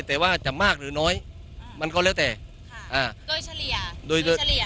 แต่ว่าจะมากหรือน้อยมันก็แล้วแต่ค่ะอ่าโดยเฉลี่ยโดยเฉลี่ย